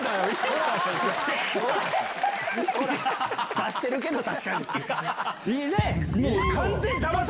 出してるけど確かに。